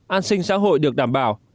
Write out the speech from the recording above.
an sinh xã hội được đảm bảo